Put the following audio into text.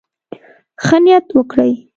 ښه نيت وکړئ.